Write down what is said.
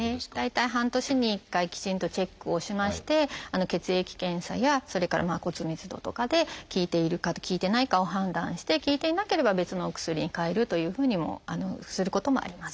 大体半年に１回きちんとチェックをしまして血液検査やそれから骨密度とかで効いているか効いてないかを判断して効いていなければ別のお薬にかえるというふうにもすることもあります。